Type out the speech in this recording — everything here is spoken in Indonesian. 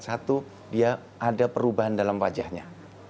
satu dia ada perubahan dalam wajahnya